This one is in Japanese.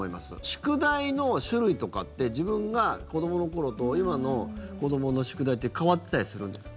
宿題の種類とかって自分が子どもの頃と今の子どもの宿題って変わってたりするんですか？